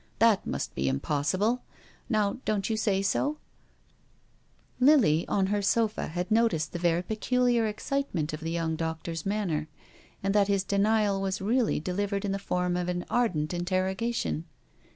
That must be impossible. Now — don't you say so : Lily, on her sofa, had noticed the very peculiar excitement of the young doctor's manner, and that his denial was really delivered in the form of an ardent interrogation.